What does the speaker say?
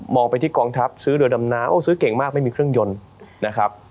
ไปที่กองทัพซื้อเรือดำน้ำซื้อเก่งมากไม่มีเครื่องยนต์นะครับ